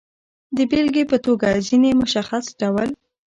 د بېلګې په توګه، ځینې مشخص ډول